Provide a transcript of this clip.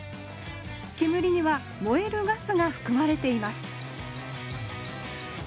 煙には燃えるガスがふくまれています